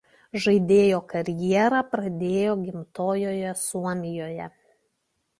Žaidėjo karjerą pradėjo gimtojoje Suomijoje.